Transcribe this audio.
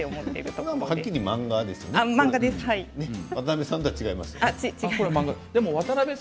これは、はっきり言って漫画ですよね渡辺さんとは違いますよね。